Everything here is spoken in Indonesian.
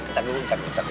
eh bentar dulu